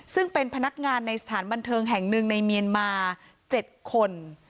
ซึ่งเป็นพนักงานในสถานบันเทิงแห่งหนึ่งในเมียนมา๗คน